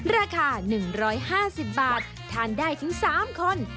ราคา๑๕๐บาททานได้ถึง๓คน